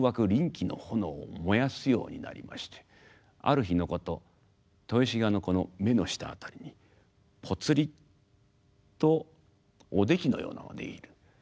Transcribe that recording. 悋気の炎を燃やすようになりましてある日のこと豊志賀の目の下辺りにポツリとおできのようなものが出来る。